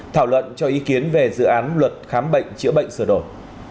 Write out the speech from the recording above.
thảo luận cho ý kiến về dự án luật khám bệnh chữa bệnh sửa đổi